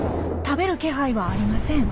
食べる気配はありません。